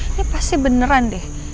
ini pasti beneran deh